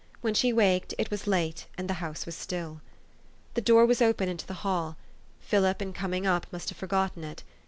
When she waked, it was late, and the house was still. The door was open into the hall. Philip, in com ing up, must have forgotten it.